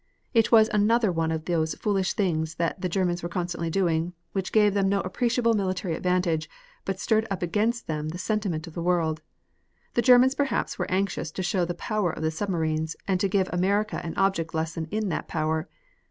It was another one of those foolish things that Germans were constantly doing, which gave them no appreciable military advantage, but stirred up against them the sentiment of the world. The Germans perhaps were anxious to show the power of the submarines, and to give America an object lesson in that power.